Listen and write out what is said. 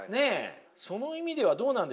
その意味ではどうなんでしょう？